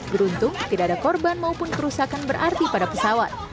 beruntung tidak ada korban maupun kerusakan berarti pada pesawat